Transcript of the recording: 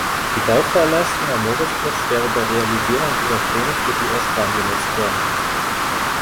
Die Bauvorleistung am Moritzplatz wäre bei Realisierung dieser Pläne für die S-Bahn genutzt worden.